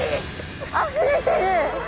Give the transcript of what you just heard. あふれてる。